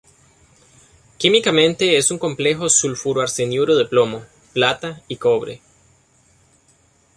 Químicamente es un complejo sulfuro-arseniuro de plomo, plata y cobre.